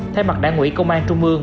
thay mặt đảng ủy công an trung mương